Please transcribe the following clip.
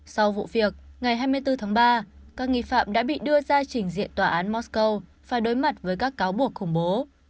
sau vụ việc ngày hai mươi bốn tháng ba các nghi phạm đã bị đưa ra trình diện tòa án mosco phải đối mặt với các cáo buộc khủng bố